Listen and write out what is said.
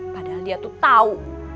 padahal dia tuh tahu